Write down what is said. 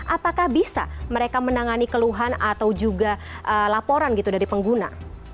apakah bisa mereka menangani keluhan atau juga laporan gitu dari pengguna